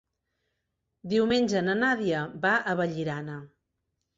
Diumenge na Nàdia va a Vallirana.